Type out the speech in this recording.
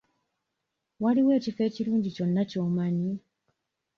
Waliwo ekifo ekirungi kyonna ky'omanyi?